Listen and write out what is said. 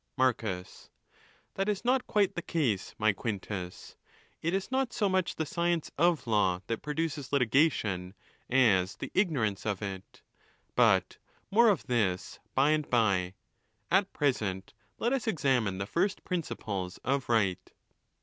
Marcus.—That is not quite the case, my Quintus. It is not .so much the science of law that. produces litigation, as the ignorance of it. But more of this by and by. At pre= sent: let us examine the first principles of Right.